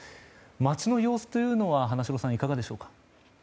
街の様子は花城さんいかがでしょうか？